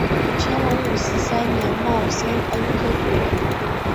乾隆五十三年戊申恩科举人。